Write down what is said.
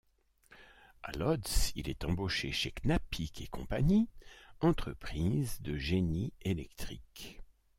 À Łódź, il est embauché chez Knapik & Compagnie, entreprise de génie électrique.